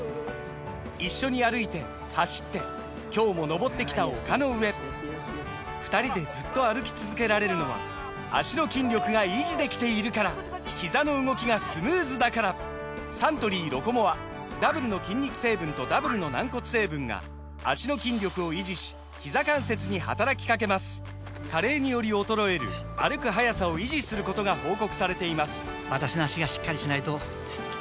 一緒に歩いて走って今日も登ってきた丘の上２人でずっと歩き続けられるのは脚の筋力が維持できているからひざの動きがスムーズだからサントリー「ロコモア」ダブルの筋肉成分とダブルの軟骨成分が脚の筋力を維持しひざ関節に働きかけます加齢により衰える歩く速さを維持することが報告されています